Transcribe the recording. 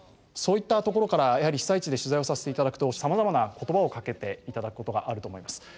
そういったところからやはり被災地で取材をさせて頂くとさまざまな言葉をかけて頂くことがあると思います。